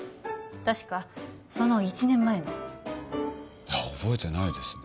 確かその一年前の覚えてないですね